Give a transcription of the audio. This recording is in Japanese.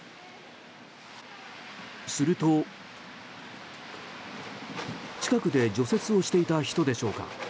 すると、近くで除雪をしていた人でしょうか。